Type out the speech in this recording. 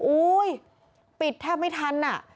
อุ้ยปิดแทบไม่ทันอ่ะ